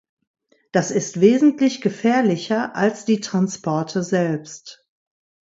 Das ist wesentlich gefährlicher als die Transporte selbst.